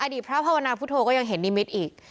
อดีตพระพักษณะพุทธก็ยังเห็นนิมิตอีก